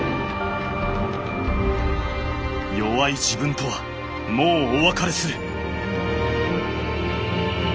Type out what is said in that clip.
弱い自分とはもうお別れする。